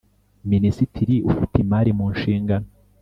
Minisitiri ufite imari mu nshigano